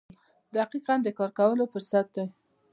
• دقیقه د کار کولو فرصت دی.